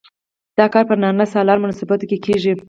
دا کار په نارینه سالارو مناسباتو کې کیږي.